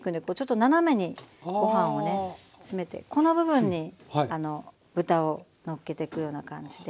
ご飯をね詰めてこの部分に豚をのっけていくような感じで。